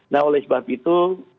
nah oleh sebab itu